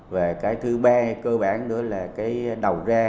và cái thứ ba cơ bản nữa là cái đầu ra